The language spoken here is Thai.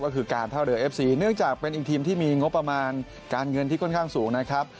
ก็คือการท่าเรือเอฟซีเนื่องจากเป็นอีกทีมที่มีงบประมาณการเงินที่ค่อนข้างสูงนะครับ